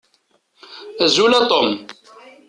Azul a Tom.